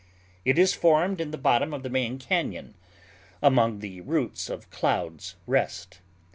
It is formed in the bottom of the main cañon, among the roots of Cloud's Rest.